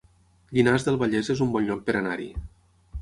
Llinars del Vallès es un bon lloc per anar-hi